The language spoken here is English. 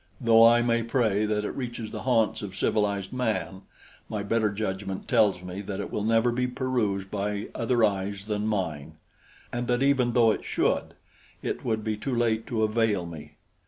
Though I may pray that it reaches the haunts of civilized man, my better judgment tells me that it will never be perused by other eyes than mine, and that even though it should, it would be too late to avail me.